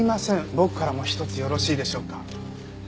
僕からも一つよろしいでしょうか？